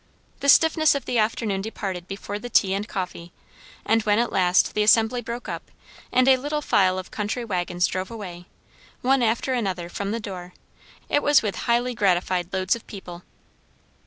The stiffness of the afternoon departed before the tea and coffee; and when at last the assembly broke up, and a little file of country waggons drove away, one after another, from the door, it was with highly gratified loads of people.